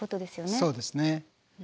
そうですね。